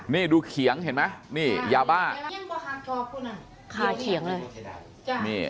นี่ดูเขียงเห็นไหมนี่ยาบ้าคาเฉียงเลย